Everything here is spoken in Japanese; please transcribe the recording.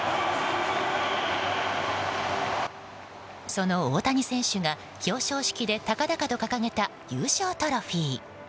その大谷選手が表彰式で高々と掲げた優勝トロフィー。